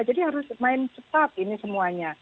jadi harus main cepat ini semuanya